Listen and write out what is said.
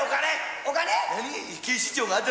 お金？